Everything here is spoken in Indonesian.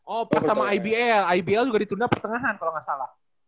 oh pas sama ibl ibl juga ditunda pertengahan kalau gak salah